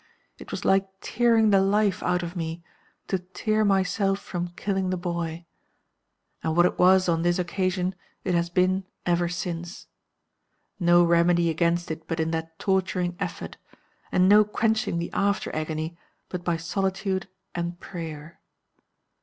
It was like tearing the life out of me to tear myself from killing the boy. And what it was on this occasion it has been ever since. No remedy against it but in that torturing effort, and no quenching the after agony but by solitude and prayer.